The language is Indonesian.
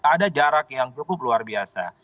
karena ada jarak yang cukup luar biasa